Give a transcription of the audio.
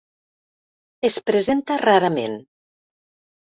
Es presenta rarament.